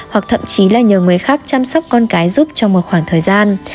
hoặc thậm chí là nhờ người khác chăm sóc con cái giúp cho một khoảng thời gian